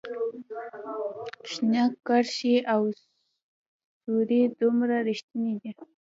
شنه کرښې او سورې دومره ریښتیني دي